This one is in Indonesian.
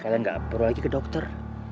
kalian nggak perlu lagi ke dokter